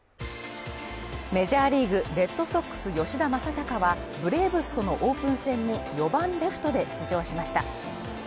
メジャーリーグ、レッドソックス吉田正尚はブレーブスとのオープン戦に４番レフトで出場しました。